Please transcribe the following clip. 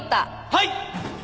はい。